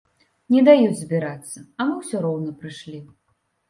Не даюць збірацца, а мы ўсё роўна прыйшлі.